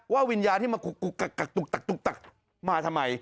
ว่าวิญญาณที่มากรุกมาทำไม